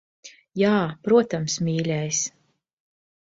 Jā, protams, mīļais.